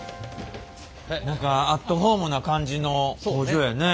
何かアットホームな感じの工場やね。